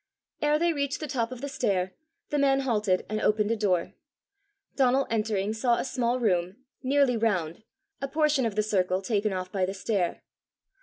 Ere they reached the top of the stair, the man halted and opened a door. Donal entering saw a small room, nearly round, a portion of the circle taken off by the stair.